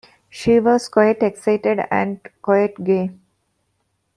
She was quite excited, and quite gay.